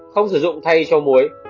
không sử dụng thay cho muối